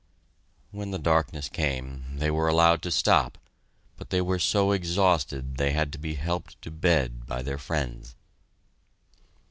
When the darkness came, they were allowed to stop, but they were so exhausted they had to be helped to bed by their friends.